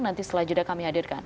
nanti setelah jeda kami hadirkan